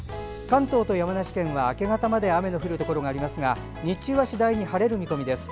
関東と山梨県は明け方まで雨の降るところがありますが日中は次第に晴れる見込みです。